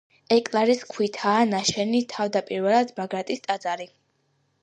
ეკლარის ქვითაა ნაშენი თავდაპირველად ბაგრატის ტაძარი.